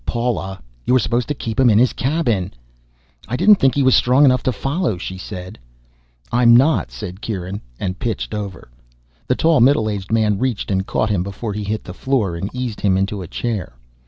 "Paula, you were supposed to keep him in his cabin!" "I didn't think he was strong enough to follow," she said. "I'm not," said Kieran, and pitched over. The tall middle aged man reached and caught him before he hit the floor, and eased him into a chair.